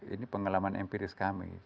ini pengalaman empiris kami